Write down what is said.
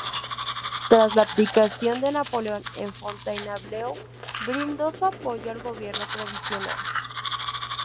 Tras la abdicación de Napoleón en Fontainebleau brindó su apoyo al gobierno provisional.